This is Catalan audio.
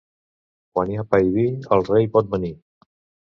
Quan hi ha pa i vi el rei pot venir.